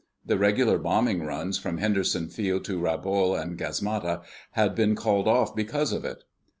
The regular bombing runs from Henderson Field to Rabaul and Gasmata had been called off because of it.